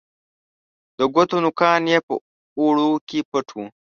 د ګوتو نوکان یې په اوړو کې پټ وه